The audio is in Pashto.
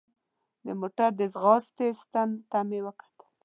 د موټر د ځغاستې ستن ته مې وکتل.